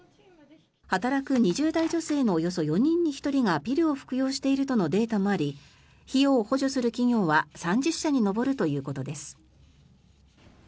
働く２０代女性のおよそ４人に１人がピルを服用しているとのデータもあり費用を補助する企業は３０社に上るということです。